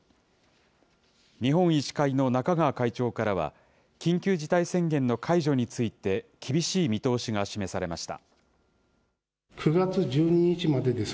日本医師会の中川会長からは、緊急事態宣言の解除について、厳しい見通しが示されました。